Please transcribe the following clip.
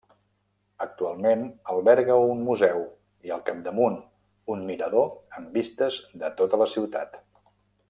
Actualment alberga un museu i, al capdamunt, un mirador amb vistes de tota la ciutat.